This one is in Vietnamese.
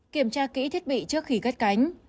kiểm tra kỹ thiết bị trước khi gắt cánh